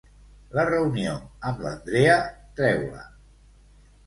La reunió amb l'Andrea treu-la.